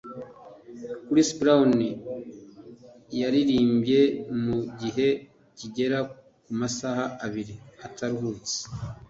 Chris Brown yaririmbye mu gihe kigera ku masaha abiri ataruhutse